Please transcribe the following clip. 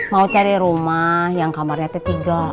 mau cari rumah yang kamarnya itu tiga